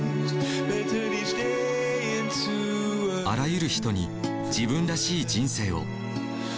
あらゆる人に自分らしい人生を。